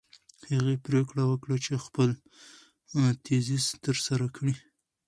هغې پرېکړه وکړه چې خپل تیزیس ترسره کړي.